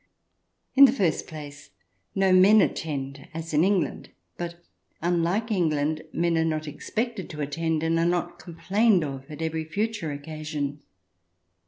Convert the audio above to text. In the first place, no men attend as in England, but, unlike England, men are not expected to attend, and are not complained of at every future occasion.